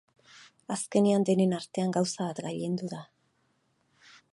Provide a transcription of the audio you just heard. Azkenean, denen artean gauza bat gailendu da.